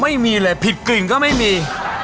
ไม่มีเลยผิดกลิ่งก็ไม่มี